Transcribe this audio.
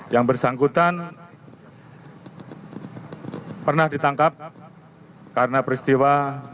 yang bersangkutan pernah ditangkap karena peristiwa